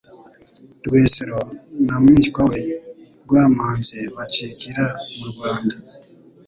Rwesero na mwishywa we Rwamanzi bacikira mu Rwanda.